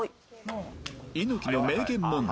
猪木の名言問題